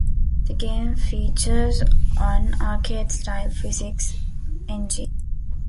The game features an arcade-style physics engine.